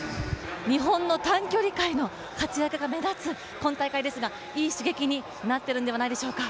日本の短距離界の活躍が目立つ今大会ですがいい刺激になっているんではないでしょうか。